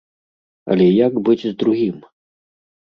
Але як быць з другім?